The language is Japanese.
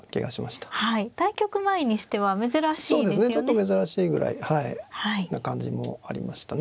ちょっと珍しいぐらいな感じもありましたね。